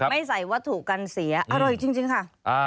ไม่ใส่วัตถุกันเสียอร่อยจริงค่ะ